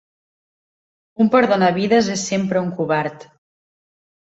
Un perdonavides és sempre un covard.